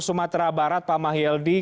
sumatera barat pak mahyildi